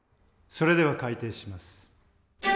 それでは開廷します。